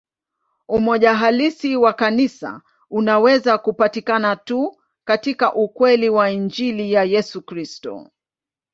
Umoja halisi wa Kanisa unaweza kupatikana tu katika ukweli wa Injili ya Yesu Kristo.